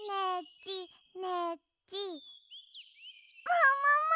ももも！